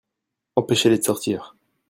Empêche-les de sortir.